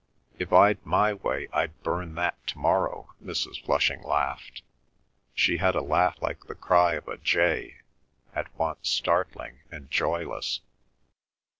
"If I'd my way I'd burn that to morrow," Mrs. Flushing laughed. She had a laugh like the cry of a jay, at once startling and joyless.